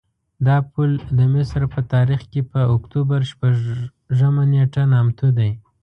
دا پل د مصر په تاریخ کې په اکتوبر شپږمه نېټه نامتو دی.